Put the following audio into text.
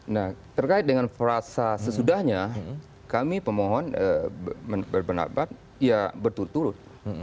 nah terkait dengan frasa sesudahnya kami pemohon berpendapat ya berturut turut